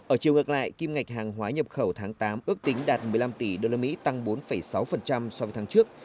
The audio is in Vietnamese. ở chiều ngược lại kim ngạch hàng hóa nhập khẩu tháng tám ước tính đạt một mươi năm tỷ usd tăng bốn sáu so với tháng trước